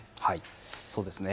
そうですね。